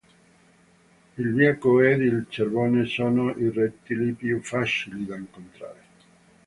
Il biacco ed il cervone sono i rettili più facili da incontrare.